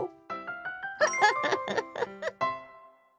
フフフフフ。